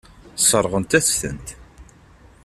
Sseṛɣent-as-tent.